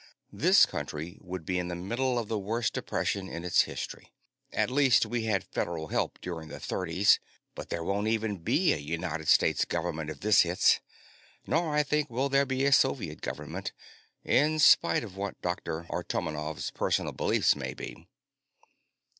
This country would be in the middle of the worst depression in its history. At least we had Federal help during the Thirties but there won't even be a United States Government if this hits. Nor, I think, will there be a Soviet government, in spite of what Dr. Artomonov's personal beliefs may be."